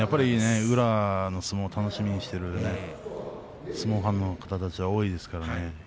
宇良の相撲を楽しみにしている相撲ファンの方たちが多いですね。